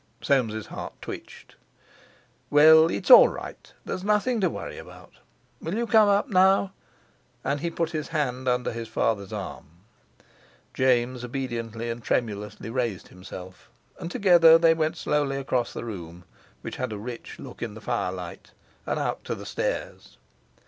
Soames' heart twitched. "Well, it's all right. There's nothing to worry about. Will you come up now?" and he put his hand under his father's arm. James obediently and tremulously raised himself, and together they went slowly across the room, which had a rich look in the firelight, and out to the stairs.